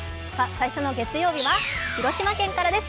最初の月曜日は広島県からです。